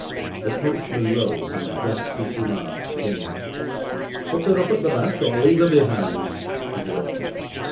The coachman rose, and addressed his remarks generally. "Put her up at the back, or leave her behind," he directed.